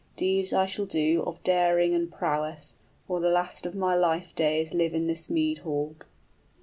Deeds I shall do of daring and prowess, 80 Or the last of my life days live in this mead hall."